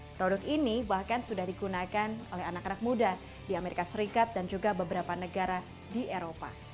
produk ini bahkan sudah digunakan oleh anak anak muda di amerika serikat dan juga beberapa negara di eropa